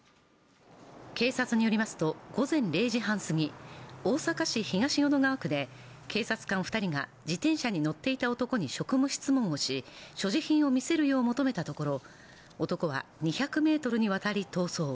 警察によりますと午前０時半すぎ、大阪市東淀川区で警察官２人が自転車に乗っていた男に職務質問をし所持品を見せるよう求めたところ男は２００ｍにわたり逃走。